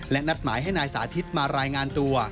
และนัดหมายให้นายสาธิตมารายงานตัว